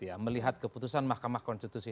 ya melihat keputusan mahkamah konstitusi